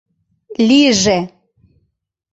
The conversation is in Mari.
Лийже.